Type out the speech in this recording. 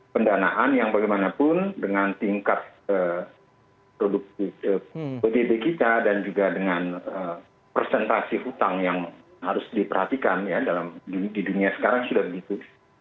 pendanaan yang bagaimanapun dengan tingkat produk odb kita dan juga dengan presentasi hutang yang harus diperhatikan ya di dunia sekarang sudah begitu